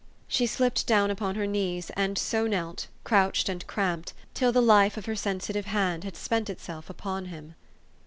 She slipped down upon her knees, and so knelt, crouched and cramped, till the life of her sensitive hand had spent itself upon him.